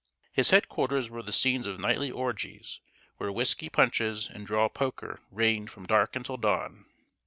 His head quarters were the scenes of nightly orgies, where whisky punches and draw poker reigned from dark until dawn.